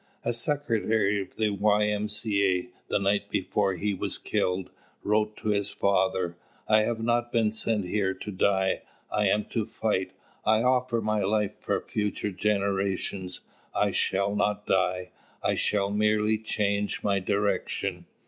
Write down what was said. A secretary of the Y.M.C.A., the night before he was killed, wrote to his father: "I have not been sent here to die: I am to fight: I offer my life for future generations; I shall not die, I shall merely change my direction.